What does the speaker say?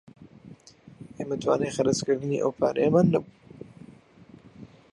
ئێمە توانای خەرچکردنی ئەو پارەیەمان نەبوو